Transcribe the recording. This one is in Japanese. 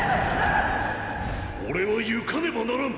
俺は行かねばならん！！